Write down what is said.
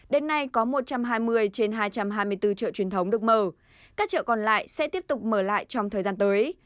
đến nay có một trăm hai mươi trên hai trăm hai mươi bốn chợ truyền thống được mở các chợ còn lại sẽ tiếp tục mở lại trong thời gian tới